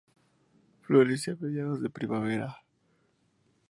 Florece a mediados de primavera.